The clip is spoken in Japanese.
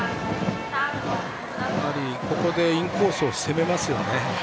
ここでインコースを攻めますよね。